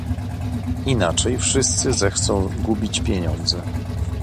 "Inaczej wszyscy zechcą gubić pieniądze."